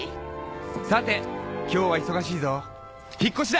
さて今日は忙しいぞ引っ越しだ！